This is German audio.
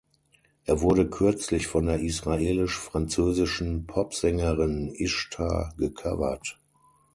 Er wurde kürzlich von der israelisch-französischen Popsängerin Ishtar gecovert.